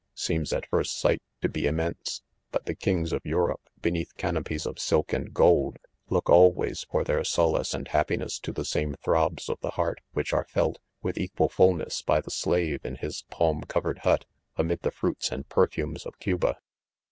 seenis at first sight to be immense .; but the Jfcipgs 'of Eur opG| beneath canopies of silk and EPILOGUE. 217 •gold, look always for their solace and happi ness to the same throbs of the heart which are felt, with equal fullness, by the slave in his palm covered hut, amid the fruits and perfumes of, Cuba.